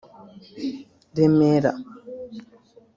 Remera